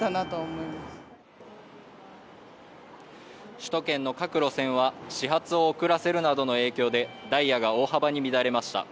首都圏の各路線は始発を遅らせるなどの影響でダイヤが大幅に乱れました。